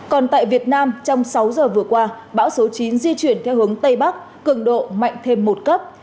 còn tại việt nam trong sáu giờ vừa qua bão số chín di chuyển theo hướng tây bắc cường độ mạnh thêm một cấp